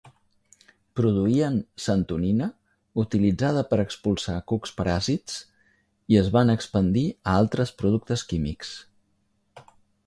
Produïen santonina, utilitzada per expulsar cucs paràsits, i es van expandir a altres productes químics.